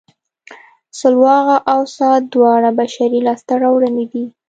سلواغه او څا دواړه بشري لاسته راوړنې دي